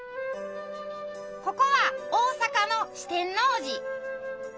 ここは大阪の四天王寺。